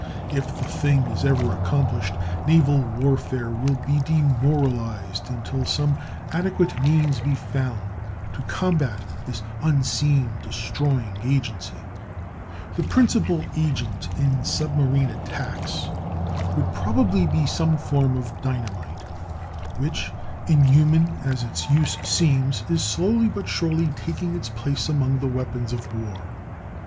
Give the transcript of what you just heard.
If the thing is ever accomplished, naval warfare will be demoralized until some adequate means be found to combat this unseen, destroying agency. [Illustration: Vesuvius in action.] The principal agent in submarine attacks would probably be some form of dynamite, which, inhuman as its use seems, is slowly but surely taking its place among the weapons of war.